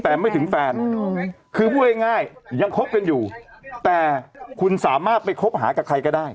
แต่ไม่ถึงแฟนคือพูดง่ายยังคบกันอยู่แต่คุณสามารถไปคบหากับใครก็ได้